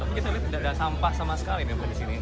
tapi kita lihat tidak ada sampah sama sekali di sini